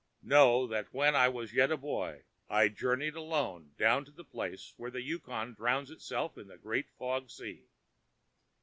"Know that when I was yet a boy I journeyed alone down to the place where the Yukon drowns itself in the Great Fog Sea.